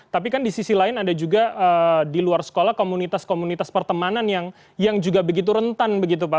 tapi kan di sisi lain ada juga di luar sekolah komunitas komunitas pertemanan yang juga begitu rentan begitu pak